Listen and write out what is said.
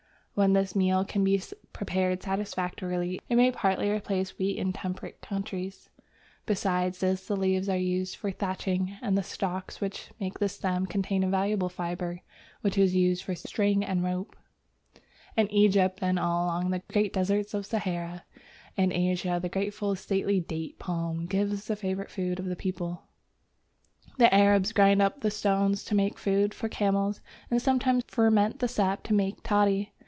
When this meal can be prepared satisfactorily, it may partly replace wheat in temperate countries. Besides this, the leaves are used for thatching, and the stalks which make the stem contain a valuable fibre which is used for string and rope. In Egypt and all along the great deserts of Sahara and Asia the graceful stately Date palm gives the favourite food of the people (see Chap. X.). The Arabs grind up the stones to make food for camels, and sometimes ferment the sap to make toddy.